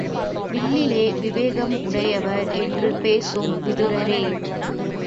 வில்லிலே விவேகம் உடையவர் என்று பேசும் விதுரரே!